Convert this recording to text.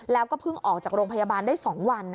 แล้วก็เพิ่งออกจากโรงพยาบาลได้๒วัน